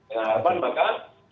dengan harapan maka